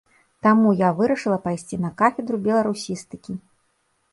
Таму я вырашыла пайсці на кафедру беларусістыкі.